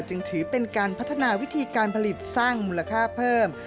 จึงถือเป็นการพัฒนาวิธีการผลิตสร้างมูลค่าเพิ่ม